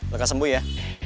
lekas sembuh ya